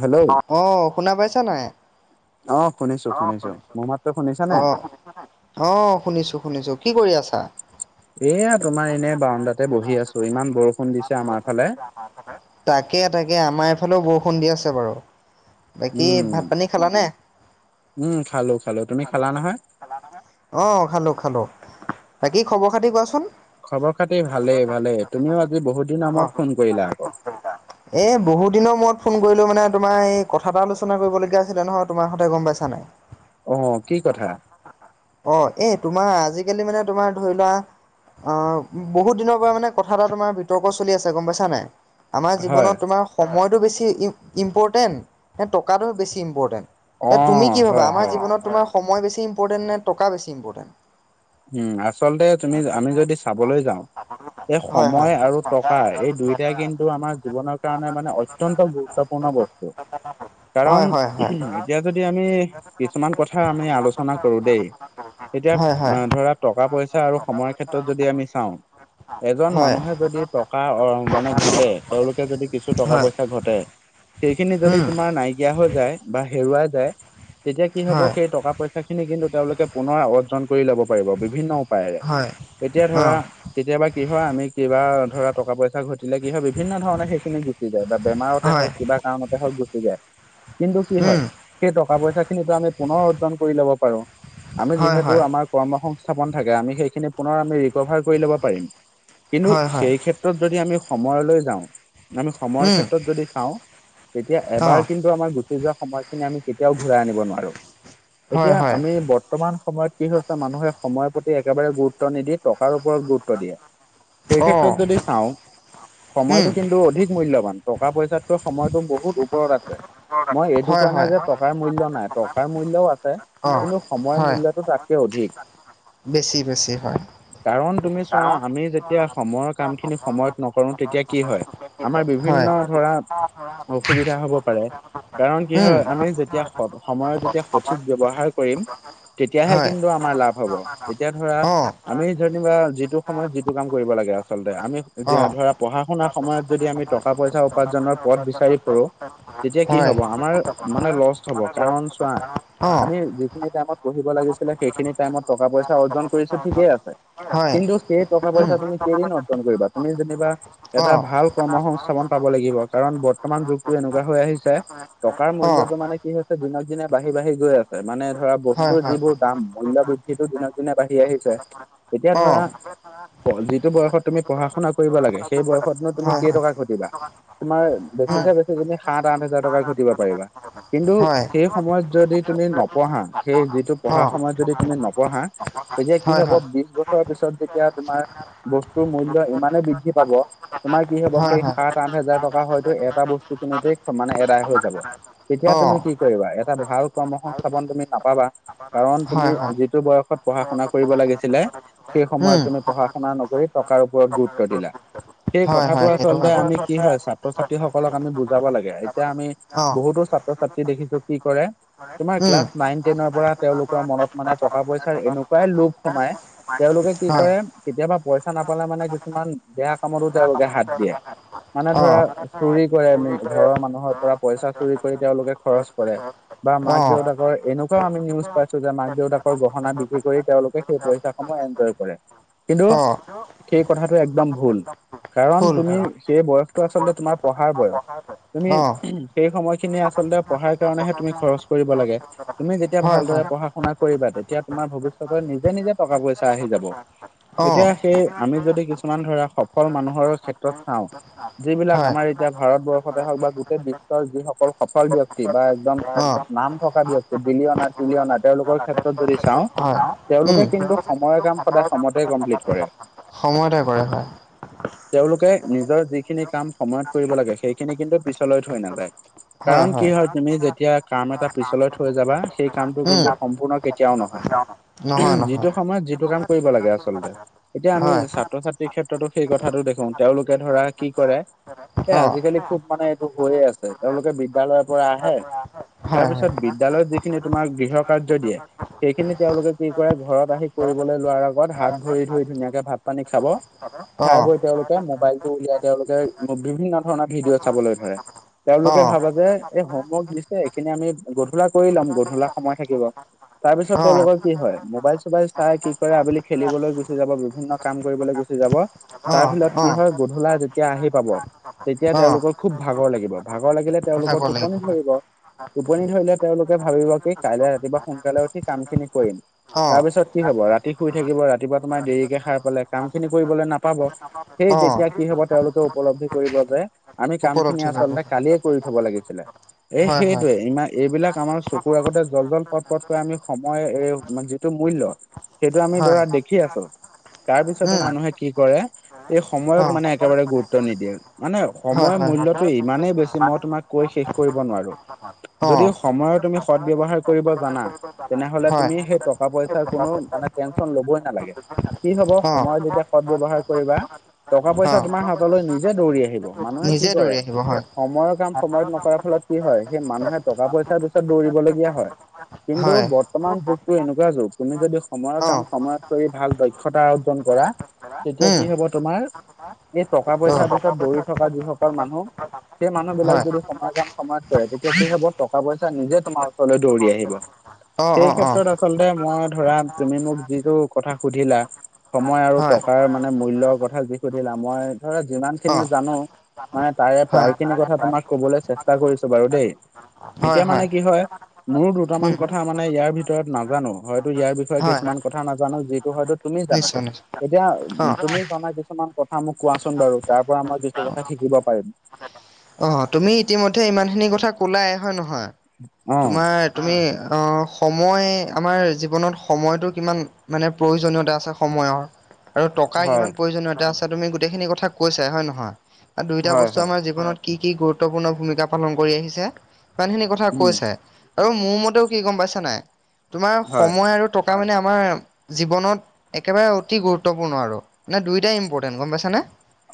Hello অ শুনা পাইছা নাই? অ শুনিছো অ শুনিছো। মোৰ মাতটো শুনিছা অ নে? [unintelligible] অ শুনিছো শুনিছো। কি কৰি আছা? এয়া তোমাৰ এনে বাৰাণ্ডাতে বহি আছো ইমান বৰষুণ দিছে আমাৰ ফালে। [unintelligible] তাকে তাকে আমাৰ এইফালেও বৰষুণ দি আছে বাৰু। বাকী উম ভাত পানী খালানে? উম খালো খালো তুমি খালা [unintelligible] নহয়? [unintelligible] অ খালো খালো। বাকী খবৰ খাতি কোৱাচোন? খবৰ খাতি ভালেই ভালেই, তুমিও আজি বহুত দিনৰ মূৰত ফোন কৰিলা আকৌ। [unintelligible] এ বহুত দিনৰ মূৰত ফোন কৰিলো মানে তোমাৰ এই কথা এটা আলোচনা কৰিবলগীয়া আছিলে নহয় তোমাৰ সতে গম পাইছা নাই? অ কি কথা? [unintelligible] অ এ তোমাৰ আজিকালি মানে তোমাৰ ধৰি লোৱা অ বহুত দিনৰ পৰা মানে কথা এটা তোমাৰ বিতৰ্ক চলি আছে গম পাইছা নাই? আমাৰ হয় জীৱনত তোমাৰ সময়টো বেছি ইম ইম্পৰ্টেণ্ট নে টকাটো বেছি অ ইম্পৰ্টেণ্ট? তুমি কি ভাবা হয় আমাৰ হয় জীৱনত তোমাৰ সময় বেছি ইম্পৰ্টেণ্ট নে টকা বেছি ইম্পৰ্টেন্ট? উম আচলতে তুমি আমি যদি চাবলৈ যাওঁ এই হয় হয় সময় আৰু টকা এই দুইটাই কিন্তু আমাৰ জীৱনৰ কাৰণে মানে ঐ অত্যন্ত গুৰুত্বপূৰ্ণ বস্তু। [inaudible] কাৰণ হয় এতিয়া যদি আমি কিছুমান কথা আমি আলোচনা কৰো দেই এতিয়া এ হয় হয় ধৰা টকা পইচা আৰু সময়ৰ ক্ষেত্ৰত যদি আমি চাওঁ এজন হয় মানুহে যদি টকা অ মানে ঘটে, তেওঁলোকে যদি কিছু টকা হয় পইচা ঘটে সেইখিনি হয় যদি উম তোমাৰ নাইকিয়া হৈ যায় বা হেৰুৱাই যায় তেতিয়া কি হ'ব হয় সেই টকা পইচা সেইখিনি কিন্তু তেওঁলোকে পুনৰ অৰ্জন কৰি লব পাৰিব বিভিন্ন উপায়েৰে। হয় এতিয়া অ ধৰা কেতিয়াবা কি হয় আমি কিবা ধৰা টকা পইচা ঘটিলে কি হয় বিভিন্ন ধৰণে সেইখিনি গুচি যায় বা বেমাৰতে হয় হওক কিবা কাৰণতে হক গুচি যায়। কিন্তু কি হয় উম সেই টকা পইচা খিনিটো আমি পুনৰ অৰ্জন কৰি লব পাৰো আমি হয় যিহেতু হয় আমাক। কৰ্ম সংস্থাপন থাকে আমি সেইখিনি পুনৰ আমি ৰিকভাৰ কৰি লব পাৰিম। কিন্তু হয় হয় সেই- ত্ৰত যদি আমি সময়লৈ যাওঁ, আমি সময়ৰ উম ক্ষেত্ৰত যদি চাওঁ, তেতিয়া অ এবাৰ কিন্তু কিন্তু আমাৰ গুচি যোৱা সময়খিনি আমি কেতিয়াও ঘূৰাই আনিব নোৱাৰো, হয় এতিয়া হয় আমি বত বৰ্তমান সময়ত কি হৈছে মানুহে সময়ৰ প্ৰতি একেবাৰে গুৰুত্ব নিদি টকাৰ ওপৰত গুৰুত্ব দিয়ে। সেই অ ক্ষেত্ৰত যদি চাওঁ, উম সময়তটো কিন্তু অধিক মূল্যবান। টকা-পইচাতকৈ সময়তটো বহুত ওপৰত আছে। মই এইটো হয় কোৱা নাই হয় যে টকাৰ মূল্য নাই টকাৰ মূল্যয়ও আছে। অ কিন্তু সময়ৰ হয় মূল্যটো তাত বেছি বেছি হয়। কাৰণ তুমি চোৱা আমি যেতিয়া সময়ৰ কাম খিনি সময়ত নকৰো তেতিয়া কি হয়। আমাৰ বিভিন্ন হয় ধৰা অসুবিধা হব পাৰে কাৰণ কি উম হয় আমি যে যেতিয়া স সময়ত যেতিয়া সঠিক ব্যৱহাৰ কৰিম, তেতিয়াহে হয় কিন্তু আমাৰ লাভ হ'ব। এতিয়া ধৰা, অ আমি যেনিবা যিটো সময়ত যিটো কাম কৰিব লাগে আচলতে আমি অ যে ধৰা পঢ়া-শুনাৰ সময়ত যদি আমি টকা-পইচা উপাৰ্জনৰ পথ বিচাৰি ফুৰো। তেতিয়া কি হয় হব আমাৰ মানে লষ্ট হব কাৰণ চোৱা। অ আমি যিখিনি টাইমত পঢ়িব লাগিছিলে সেইখিনি টাইমত টকা-পইচা অৰ্জন কৰিছো ঠিকেই আছে। হয় কিন্তু সেই টকা উম পইচা তুমি কেইদিন অৰ্জন কৰিবা তুমি যেনিবা- অ এটা ভাল কৰ্ম সংস্থাপন পাব লাগিব। কাৰণ বৰ্তমান যুগটো এনেকুৱা হৈ আহিছে, টকাৰ অ মূল্যটো মানে কি হয়। দিনক দিনে বাঢ়ি বাঢ়ি গৈ আছে মানে ধৰা হয় বস্তুৰ হয় যিবোৰ- কাম মূল্যৰ বৃদ্ধিটো দিনক দিনে বাঢ়ি আহিছে, এতিয়া অ ধৰা যিটো বয়সত তুমি পঢ়া-শুনা কৰিব লাগে সেই বয়সতনো তুমি হয় কেই হয় টকা ঘটিবা। তোমাৰ বেছি উম চে বেছি তুমি সাত আঠ হাজাৰ টকা ঘটিব পাৰিবা। কিন্তু, হয় সেই সময়ত যদি তুমি নপঢ়া সেই যিটো- অ পঢ়াৰ সময়ত যদি তুমি নপঢ়া, তেতিয়া কি হয় হব হয় বিশ বছৰৰ পিছত যেতিয়া তোমাৰ। বস্তুৰ মূল্য ইমানে বৃদ্ধি পাব। তোমাৰ কি হব হয় সেই হয় সাত আঠ হাজাৰ টকা হয়তো এটা বস্তু কিনোতেই মানে আদায় হৈ যাব। তেতিয়া অ তুমি কি কৰিবা এটা ভাল কৰ্ম-সংস্থাপন তুমি নাপাবা। কাৰণ হয় তুমি হয় যিটো বয়সত পঢ়া-শুনা কৰিব লাগিছিলে। সেই উম সময়ত তুমি পঢ়া-শুনা নকৰি টকাৰ ওপৰত গুৰুত্ব দিলা। সেই হয় কথাটো হয় সেইটো আচলতে হয় আমি বাৰু কি হয় ছাত্ৰ ছাত্ৰী - ত্ৰী সকলক আমি বুজাব লাগে এতিয়া আমি, অ বহুতো ছাত্ৰ-ছাত্ৰী দেখিছো কি কৰে। তোমাৰ উম ক্লাছ নাইন টেনৰ পৰা তেওঁলোকৰ মনত মানে টকা-পইচাৰ এনেকুৱাই লোভ সোমাই। তেওঁলোকে কি হয় কৰে কেতিয়াবা পইচা নাপালে মানে কিছুমান বেয়া কামতো তেওঁলোকে হাত দিয়ে। মানে অ ধৰা, চুৰি কৰে ঘৰৰ মানুহৰ পৰা পইচা চুৰি কৰি তেওঁলোকে খৰচ কৰে। বা অ মাক-দেউতাকৰ এনেকুৱাও আমি নিউজ পাইছো যে মাক-দেউতাকৰ গহনা বিক্ৰী কৰি তেওঁলোকে সেই পইচা সমূহ এনজয় কৰে। অ অ কিন্তু- সেই কথাটো একদম ভুল, কাৰণ হ'ল তুমি হ'ল সেই বয়সটো আচলতে তোমাৰ পঢ়াৰ বয়স। তুমি অঁ সেই সময়খিনি আচলতে পঢ়াৰ কাৰণেহে তুমি খৰচ কৰিব লাগে। তুমি যেতিয়া হয় হয় ভালদৰে পঢ়া-শুনা কৰিবা তেতিয়া তোমাৰ ভৱিষ্যতলৈ নিজে-নিজে টকা পইচা আহি যাব। অঁ এতিয়া সেই আমি যদি কিছুমান ধৰা সফল মানুহৰ ক্ষেত্ৰত চাওঁ। যিবিলাক হয় আমাৰ এতিয়া ভাৰতবৰ্ষতে হওঁক বা গোটেই বিশ্বৰ যিসকল সফল ব্যক্তি বা এজন অঁ নাম থকা ব্যক্তি বিলিয়না তিলিঅনাত তেওঁলোকৰ ক্ষেত্ৰত যদি চাওঁ, হয় উম তেওঁলোকে কিন্তু সময়ৰ কাম সদায় সময়তে কমপ্লিট কৰে। সময়তে কৰে হয়। তেওঁলোকে নিজৰ যিখিনি কাম সময়ত কৰিব লাগে সেইখিনি কিন্তু পিছলৈ থৈ নাযায়। কাৰণ কি হয় তুমি যেতিয়া কাম এটা পিছলৈ থৈ যাবা, সেই কামটো উম কিন্তু- সম্পূৰ্ণ কেতিয়াও নহয়। যিটো সময়ত যিটো কাম কৰিব লাগে আচলতে। এতিয়া আমি হয় ছাত্ৰ ছাত্ৰীৰ ক্ষেত্ৰতো সেই কথাটো দেখো তেওঁলোকে ধৰা কি কৰে, - এ অঁ আজিকালি খুব মানে এইটো হৈয়ে আছে তেওঁলোকে বিদ্য়ালয়ৰ পৰা আহে- তাৰ হয় হয় পিছত বিদ্যালয়ত যিখিনি তোমাৰ গৃহক- [unintelligible] সেইখিনি তেওঁলোকে কি কৰে, ঘৰত আহি কৰিবলৈ লোৱাৰ আগত হাত ভৰি ধুই ধুনীয়াকে ভাত পানী খাব- খাই অঁ বৈ তেওঁলোকে মোবাইল টো উলিয়াই তেওঁলোকে বিভিন্ন ধৰণৰ ভিডিঅ' চাবলৈ ধৰে। তেওঁলোকে অঁ ভাবা যে এই হোমৱৰ্ক দিছে এইখিনি আমি গধূলা কৰি লম গধূলা সময়ত- থাকিব। তাৰ পিছত অঁ তেওঁলোকৰ কি হয়? মোবাইল চোবাইল চাই কি কৰে আবেলি খেলিবলৈ গুচি যাব, বিভিন্ন- কাম কৰিবলৈ গুচি যাব, তাৰ অঁ ফলত কি হয় অঁ গধূলা যেতিয়া আহি পাব- তেতিয়া অঁ তেওঁলোকৰ খুব ভাগৰ লাগিব ভাগৰ লাগিলে তেওঁলোকৰ ভাগৰ লাগিব টোপনি হয় ধৰিব। টোপনি ধৰিলে তেওঁলোকে ভাবিব কি কাইলে ৰাতিপুৱা সোনকালে উঠি কাম খিনি কৰিম। অঁ তাৰপিছত কি হব ৰাতি শুই থাকিব ৰাতিপুৱা তোমাৰ দেৰিকে সাৰ পালে কাম খিনি কৰিবলে নাপাব। সেই অঁ যেতিয়া কি হব তেওঁলোকে উপলব্ধি কৰিব যে, আমি কাম খিনি উপলব্ধি আচলতে লাগিব কালিয়ে- কৰি থব লাগিছিলে, এ হয় হয় সেইটোয়ে ইমান এইবিলাক আমাৰ চকুৰ আগতে- জল জল, পত পতকৈ আমি সময় এই যিটো মূল্য সেইটো আমি হয় ধৰা দেখি আছো। তাৰপিছতো উম মানুহে কি কৰে এই সময়ক মানে একেবাৰে গুৰুত্ব অঁ নিদিয়ে। মানে হয় সময়ৰ হয় মূল্যটো ইমানেই বেছি মই তোমাক কৈ শেষ কৰিব নোৱাৰো। অ যদি সময়ৰ তুমি সদ ব্যৱহাৰ- কৰিব জানা। তেনেহলে হয় তুমি সেই টকা পইচাৰ কোনো মানে টেনচন লবই নালাগে। কি হব, অ সময় যেতিয়া সৎ ব্যৱহাৰ কৰিবা টকা অ পইচা তোমাৰ হাতলৈ নিজে দৌৰি আহিব। মানুহে কি নিজে কৰে দৌৰি আহিব হয় সময়ৰ কাম সময়ত নকৰা ফলত- কি হয়? সেই মানুহে টকা পইচাৰ পিছত দৌৰিবলগীয়া হয়। কিন্তু, হয় বৰ্তমান যুগটো এনেকুৱা যুগ তুমি যদি সময়ৰ অ কাম সময়ত কৰি ভাল দক্ষতা অৰ্জন কৰা- তেতিয়া উম কি হব তোমাৰ? এই টকা অ পইচাৰ পিছত দৌৰি থকা যিসকল মানুহ- সেই মানুহ বিলাক হয় যদি সময় কাম সময়ত কৰে, তেতিয়া কি হব টকা পইচা নিজে তোমাৰ ওচৰলৈ- দৌৰি আহিব [unintelligible] অ সেই অ ক্ষেত্ৰত আচলতে মই ধৰা তুমি মোক যিটো কথা সুধিলা, - সময় আৰু হয় টকাৰ মানে মূল্য়ৰ কথা যি সুধিলা, মই ধৰা যিমান অ খিনি জানো- মানে তাৰে হয় প্ৰায় খিনি কথা তোমাক কবলৈ চেষ্টা কৰিছো বাৰু দেই, এতিয়া মানে কি হয়? মোৰো উম দুটামান কথা মানে ইয়াৰ ভিতৰত নাজানো। হয়তো ইয়াৰ বিষয়ে হয় কিছুমান কথা নাজানো যিটো হয়তো- তুমি জানা। নিশ্চয় নিশ্চয় এতিয়া উ- তুমি জনা কিছুমান কথা মোক কোৱাচোন বাৰু, তাৰ পৰা মই কিছু কথা শিকিব পাৰিম। অঁ' তুমি ইতিমধ্যে ইমানখিনি কথা ক'লাই হয় নহয়, অ'। তোমাৰ- তুমি অঁ সময় আমাৰ জীৱনত সময়টো কিমান মানে প্ৰয়োজনীয়তা আছে- সময়ৰ আৰু টকাৰ হয়, কিমান প্ৰয়োজনীয়তা আছে তুমি গোটেইখিনি কথা কৈছা হয় নহয়? আৰু দুইটা হয়, বস্তু হয়, হয়, আমাৰ জীৱনত কি কি গুৰুত্বপূৰ্ণ ভূমিকা পালন কৰি আহিছে ইমানখিনি কথ- হয়, থা হয়। উম। কৈছাই। আৰু মোৰ মতেও কি গম পাইছা নাই তোমাৰ হয়, সময় আৰু- টকা মানে আমাৰ জীৱনত একেবাৰে অতি গুৰুত্বপূৰ্ণ আৰু। মানে দুইোটাই ইম্পৰ্টেণ্ট গম পাইছ নে?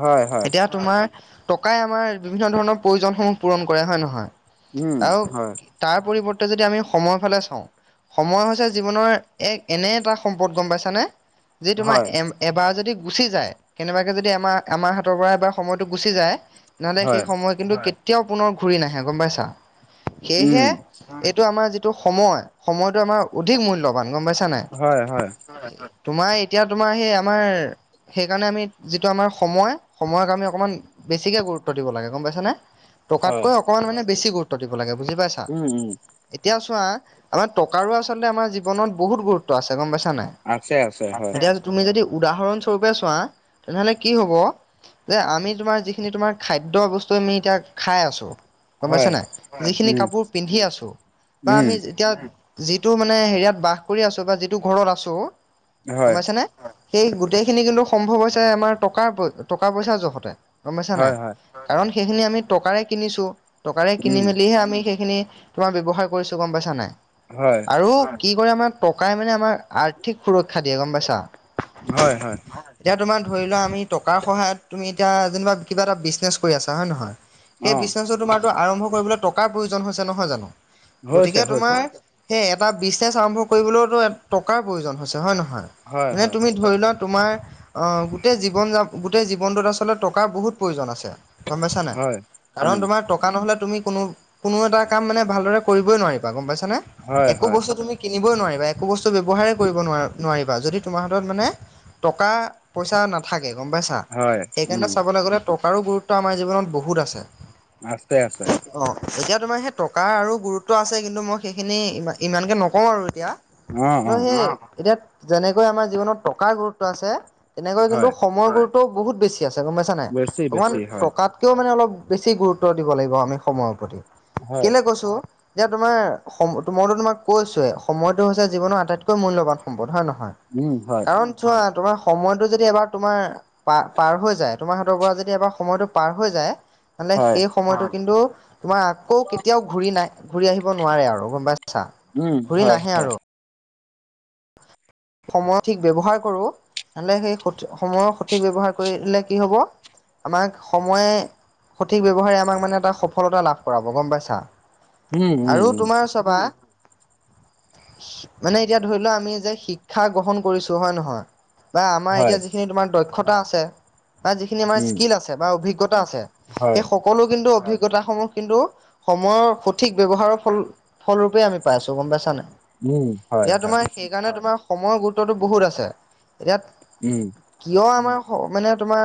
হয়, হয়। এতিয়া তোমাৰ টকাই আমাৰ- বিভিন্ন ধৰণৰ প্ৰয়োজনসমূহ পূৰণ কৰে, হয় নহয়? উম আৰু হয় তাৰ পৰিৱৰ্তে যদি আমি সময়ৰ ফালে চাওঁ সময় হৈছে জীৱনৰ এক এনে এটা সম্পদ গম পাইছানে যি তোমাৰ এম এবাৰ যদি গুচি যায় কেনেবাকৈ যদি আমাৰ আমাৰ হাতৰ পৰা এবাৰ সময়টো গুচি যায় মানে সেই হয়, সময় কিন্তু কেতিয়াও পুনৰ ঘূৰি নাহে গম পাইছা সেয়েহে এইটো আমাৰ যিটো সময় সময়টো আমাৰ অধিক মূল্যবান গম পাইছা নাই। হয় হয় হয় হয় তোমাৰ এতিয়া তোমাৰ সেই আমাৰ সেইকাৰণে আমি যিটো আমাৰ সময় সময়ক আমি অকণমান বেছিকে গুৰু গুৰুত্ব দিব লাগে গম পাইছা নে হয়। টকাতকৈ অকনমান মানে বেছি গুৰুত্ব দিব লাগে বুজি পাইছা। উম উম এতিয়া চোৱা আমাৰ টকাৰো আচলতে আমাৰ জীৱনত বহুত গুৰুত্ব আছে গম পাইছা নাই আছে আছে হয় এতিয়া তুমি যদি উদাহৰণস্বৰূপে চোৱা তেনেহ'লে কি হ'ব যে আমি তোমাৰ যিখিনি তোমাৰ খাদ্য বস্তু আমি এতিয়া খাই আছোঁ গম পাইছা হয়। নাই যিখিনি উম, কাপোৰ পিন্ধি আছো বা উম। আমি যেতিয়া যিটো মানে হেৰিয়াত বাস কৰি আছো বা যিটো ঘৰত আছো গম পাইছা নে হয় সেই গোটেইখিনি কিন্তু সম্ভৱ হৈছে আমাৰ টকা টকা পইচাৰ জখতে গম পাইছা নাই, হয়, হয়। কাৰণ সেইখিনি আমি টকাৰে কিনিছো টকাৰে কিনি উম। মেলিহে আমি সেইখিনি তোমাৰ ব্যৱহাৰ কৰিছোঁ গম পাইছা নাই হয়, আৰু কি কৰে আমাৰ টকাই মানে আমাৰ আৰ্থিক সুৰক্ষা দিয়ে গম পাইছা হয় হয় এতিয়া তোমাৰ ধৰি লোৱা আমি টকাৰ সহায়ত তুমি এতিয়া যেনিবা কিবা এটা বিজনেছ কৰি আছা হয় নে নহয় সেই অ', বিজনেছ টো তোমাৰ আৰম্ভ কৰিবলৈ টকাৰ প্ৰয়োজন হৈছে নহয় জানো হৈছে, গতিকে হৈছে। তোমাৰ সেইয়ে এটা বিজনেচ আৰম্ভ কৰিবলৈওতো টকাৰ প্ৰয়োজন হৈছে হয় নহয় হয়, মানে হয়। তুমি ধৰি লোৱা তোমাৰ অহ গোটেই জীৱন জা গোটেই জীৱনটোত আচলতে টকাৰ বহুত প্ৰয়োজন আছে গম পাইছা নাই হয়, কাৰণ উম, তোমাৰ টকা নহ'লে তুমি কোনো কোনো এটা কাম মানে ভালদৰে কৰিবই নোৱাৰিবা গম পাইছা নে হয়, একো হয়, বস্ত তুমি কিনিবই নোৱাৰিবা একো বস্তু ব্যৱহাৰে কৰিব নোৱাৰ নোৱাৰিবা যদি তোমাৰ হাতত মানে টকা পইচা নাথাকে গম পাইছা হয়, সেইকাৰণে উম, চাবলৈ গ'লে টকাৰো গুৰুত্ব আমাৰ জীৱনত বহুত আছে আছে আছে অ এতিয়া তোমাৰ সেই টকাৰ আৰু গুৰুত্ব আছে কিন্তু মই সেইখিনি ইমানকে নকওঁ আৰু এতিয়া অ', ত' অ', সেই এতিয়া যেনেকৈ আমাৰ জীৱনত টকাৰ গুৰুত্ব আছে তেনেকৈ কিন্তু হয়, সময়ৰ গুৰুত্বও বহুত বেছি আছে গম পাইছা নাই বেছি, অকণমান বেছি, হয়, তাতকেও মানে অলপ বেছি গুৰুত্ব দিব লাগিব আমি সময়ৰ প্ৰতি হয়, কেলে কৈছো এতিয়া তোমাৰ স মইটো তোমাক কৈছোৱে সময়টো হৈছে জীৱনৰ আটাইতকৈ মূল্যবান সম্পদ হয় নে নহয় উম হয় কাৰণ চোৱা তোমাৰ সময়টো যদি এবাৰ তোমাৰ পা পাৰ হৈ যায় তোমাৰ হাতৰ পৰা যদি এবাৰ সময়টো পাৰ হৈ যায় মানে হয়, সেই সময়টো কিন্তু তোমাৰ আকৌ কেতিয়াও ঘূৰি নাই ঘূৰি আহিব নোৱাৰে আৰু গম পাইছা উম, ঘূৰি হয়, নাহে হয়, আৰু সময় ঠিক ব্যৱহাৰ কৰো নহ'লে সেই সঠি সময়ৰ সঠিক ব্যৱহাৰ কৰিলে কি হ'ব আমাক সময়ে সঠিক ব্যৱহাৰে আমাক মানে এটা সফলতা লাভ কৰাব গম পাইছা উম, উম, আৰু উম, তোমাৰ তপা মানে এতিয়া ধৰি লোৱা আমি যে শি ক্ষা গ্ৰহণ কৰিছো হয় নহয় বা আমাৰ হয়, এতিয়া যিখিনি তোমাৰ দক্ষতা আছে। বা যিখিনি আমাৰ উম, স্কিল আছে বা অভিজ্ঞতা আছে হয়, সেই। সকলো কিন্তু অভিজ্ঞতাসমূহ কিন্তু সময়ৰ সঠিক ব্যৱহাৰৰ ফল। ফলৰূপে আমি পাই আছো গম পাইছা নাই। উম হয় এতিয়া হয়। তোমাৰ সেইকাৰণে তোমাৰ সময়ৰ গুৰুত্বটো বহুত আছে ইয়াত। উম। কিয় আমাৰ হ মানে তোমাৰ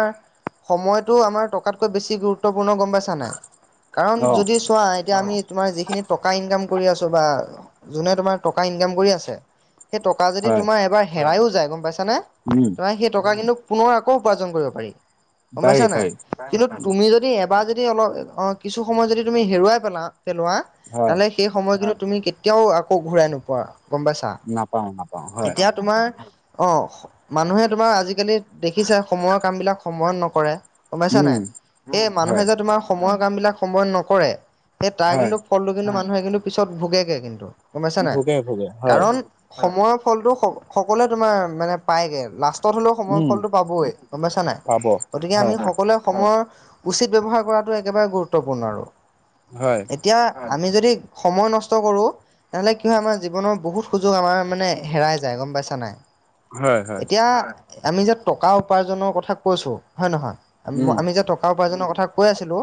সময়টো আমাৰ টকাতকৈ বেছি গুৰুত্বপূৰ্ণ গম পাইছা। ছা নাই কাৰণ অ', যদি চোৱা এতিয়া আমি তোমাৰ যিখিনি টকা ইনকাম কৰি আছো বা যোনে তোমাৰ টকা ইনকাম কৰি আছে সেই টকা যদি হয়, তোমাৰ এবাৰ হেৰাইও যায় গম পাইছা নে। উম, তোমাৰ সেই টকা কিন্তু পুনৰ আকৌ উপাৰ্জন কৰিব পাৰি গম পাৰি, পাইছা নাই। পাৰি, কিন্তু তুমি যদি এবাৰ যদি অলপ অ কিছু সময় যদি তুমি হেৰুৱাই পেলা পেলোৱা। হয়, মানে সেই সময় কিনু তুমি কেতিয়াও আকৌ ঘূৰাই নোপোৱা গম পাইছা। নাপাওঁ অ। এতিয়া তোমাৰ অ। মানুহে তোমাৰ আজিকালি দেখিছে সময়ৰ কাম বিলাক সময়ত নকৰে। গমাইছা উম, নাই এই মানুহে হয়, যে তোমাৰ সময়ৰ কাম বিলাক সময় নকৰে সেই তাৰ হয়, কিন্তু। ফলটো কিন্তু মানুহে কিন্তু পিছত ভোগেগে কিন্তু গুম পাইছা নাই ভোগে, ভোগে, হয়, কাৰণ। সময়ৰ ফলটো স সকলোৱে তোমাৰ মানে পায়গে লাষ্ট। তত হলেও সময়ৰ উম, ফলটো পাবে গম পাইছা নাই পাব, গতিকে আমি হয়, সকলোৱে সময়ৰ। উচিত ব্যৱহাৰ কৰাটো একেবাৰে গুৰুত্বপূৰ্ণ আৰু হয়, এতিয়া। আমি যদি সময় নষ্ট কৰো তেনেহ'লে কি হয় আমাৰ জীৱনৰ বহুত সুযোগ আমাৰ মানে। হেৰাই যায় গম পাইছা নাই হয়, হয়, এতিয়া। আমি যে টকা উপাৰ্জনৰ কথা কৈছো হয় নহয় উম, আমি যে টকা। কাৰ উপাৰ্জনৰ কথা কৈ আছিলো।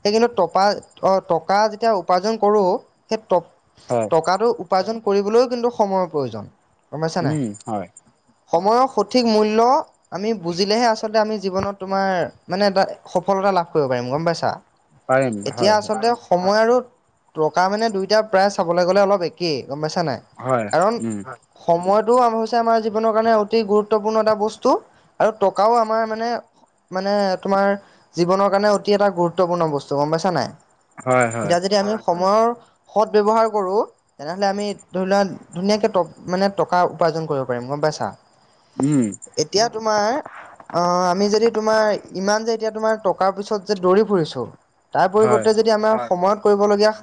সেই কিন্তু তপা অ টকা যেতিয়া উপাৰ্জন কৰো সেই ট হয়। টকাটো উপাৰ্জন কৰিবলৈও কিন্তু সময়ৰ প্ৰয়োজন গম পাইছা নাই। উম, হয়, সময়ক সঠিক মূল্য। আমি বুজিলেহে আচলতে আমি জীৱনত তোমাৰ মানে এটা সফলতা লাভ কৰিব পাৰিম গম পাইছা। পাৰিম, এতিয়া হয়, হয়, আচলতে সময় আৰু। টকা মানে দুইটা প্ৰায় চাবলৈ গ'লে অলপ একেই গম পাইছা নাই। হয় কাৰণ উম। সময়টো হৈছে আমাৰ জীৱনৰ কাৰণে অতি গুৰুত্বপূৰ্ণ এটা বস্তু। আৰু টকাও আমাৰ মানে মানে তোমাৰ জীৱনৰ কাৰণে অতি এটা গুৰুত্বপূৰ্ণ বস্তু। গম পাইছা নাই হয় হয় এতিয়া যদি আমি সময়ৰ। সৎ ব্যৱহাৰ কৰো তেনেহলে আমি ধৰি লোৱা ধুনীয়াকে টপ মানে টকা উপাৰ্জন কৰিব পাৰিম গম পাইছা। উম। এতিয়া তোমাৰ অ আমি যদি তোমাৰ ইমান যে এতিয়া তোমাৰ টকাৰ পিছত। যে দৌৰি ফুৰিছো তাৰ হয় পৰিৱৰ্তে যদি আমাৰ সময়ত কৰিবলগীয়া।